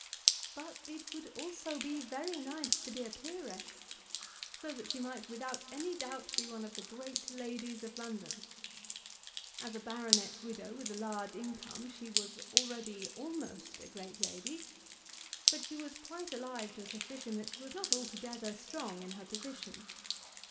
But it would also be very nice to be a peeress, so that she might, without any doubt, be one of the great ladies of London. As a baronet's widow with a large income, she was already almost a great lady; but she was quite alive to a suspicion that she was not altogether strong in her position.